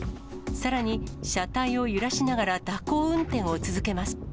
さらに、車体を揺らしながら蛇行運転を続けます。